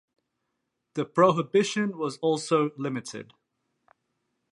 The prohibition was also limited.